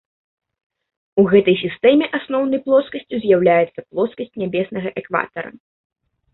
У гэтай сістэме асноўнай плоскасцю з'яўляецца плоскасць нябеснага экватара.